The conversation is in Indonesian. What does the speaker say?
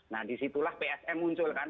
nah disitulah psm muncul kan